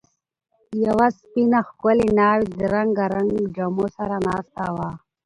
یوه سپینه، ښکلې ناوې د رنګارنګ جامو سره ناسته وه.